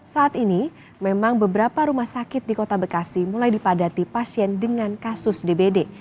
saat ini memang beberapa rumah sakit di kota bekasi mulai dipadati pasien dengan kasus dbd